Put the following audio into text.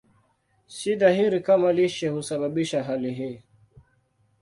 Si dhahiri kama lishe husababisha hali hii.